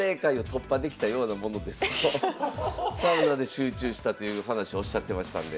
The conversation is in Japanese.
サウナで集中したという話おっしゃってましたんで。